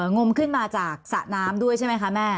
มขึ้นมาจากสระน้ำด้วยใช่ไหมคะแม่